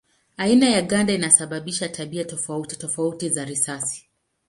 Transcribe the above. Aina ya ganda inasababisha tabia tofauti tofauti za risasi.